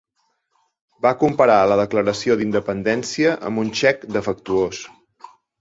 Va comparar la declaració d'independència amb un xec defectuós.